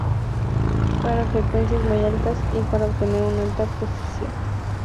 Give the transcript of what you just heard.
Para frecuencias muy altas y para obtener una alta precisión, deben usarse vibraciones atómicas.